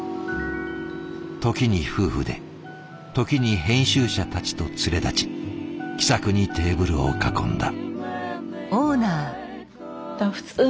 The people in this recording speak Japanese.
時に夫婦で時に編集者たちと連れ立ち気さくにテーブルを囲んだ。